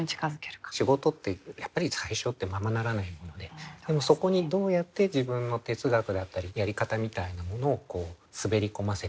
仕事ってやっぱり最初ってままならないものででもそこにどうやって自分の哲学だったりやり方みたいなものを滑り込ませていく。